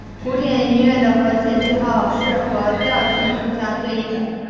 古典音乐的和弦记号是和调性互相对应的。